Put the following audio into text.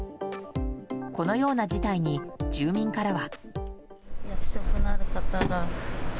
このような事態に、住民からは。